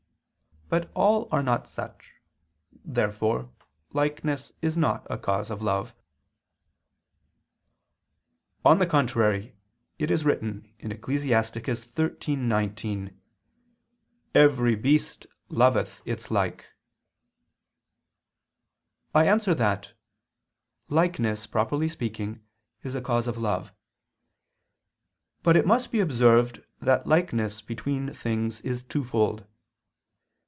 But all are not such. Therefore likeness is not a cause of love. On the contrary, It is written (Ecclus. 13:19): "Every beast loveth its like." I answer that, Likeness, properly speaking, is a cause of love. But it must be observed that likeness between things is twofold.